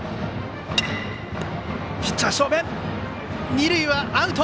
二塁はアウト。